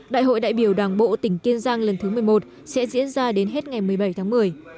đại hội đại biểu đảng bộ tỉnh kiên giang lần thứ một mươi một sẽ diễn ra đến hết ngày một mươi bảy tháng một mươi